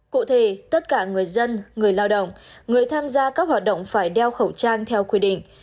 cụ thể tất cả người dân người lao động người tham gia các hoạt động phải đeo khẩu trang theo quy định